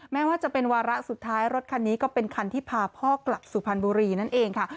แม้ว่าจะเป็นวาระสุดท้ายรถคันนี้ก็เป็นคันที่พาพ่อกลับสุพรรณบุรีนั่นเองค่ะ